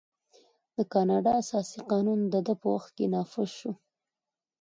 د کاناډا اساسي قانون د ده په وخت کې نافذ شو.